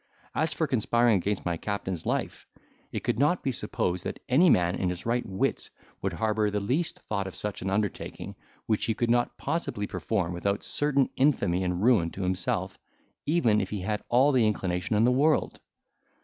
As for conspiring against my captain's life, it could not be supposed that any man in his right wits would harbour the least thought of such an undertaking, which he could not possibly perform without certain infamy and ruin to himself, even if he had all the inclination in the world.